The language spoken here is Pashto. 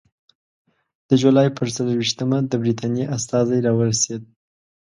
د جولای پر څلېرویشتمه د برټانیې استازی راورسېد.